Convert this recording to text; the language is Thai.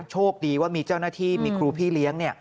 โชคดีว่ามีเจ้าหน้าที่มีครูพี่เลี้ยง